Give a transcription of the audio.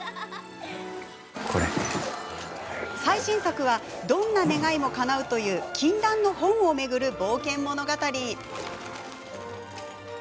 最新作はどんな願いもかなうという禁断の本を巡る冒険物語。